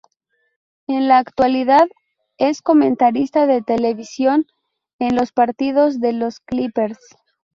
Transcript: En la actualidad es comentarista de televisión de los partidos de los Clippers.